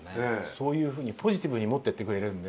そういうふうにポジティブに持ってってくれるんで。